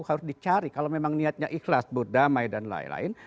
harus dicari kalau memang niatnya ikhlas berdamai dan lain lain